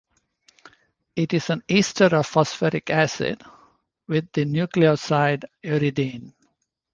It is an ester of phosphoric acid with the nucleoside uridine.